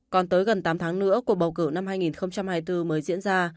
còn tới gần tám tháng nữa cuộc bầu cử năm hai nghìn hai mươi bốn mới diễn ra